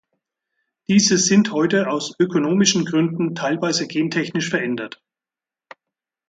Diese sind heute aus ökonomischen Gründen teilweise gentechnisch verändert.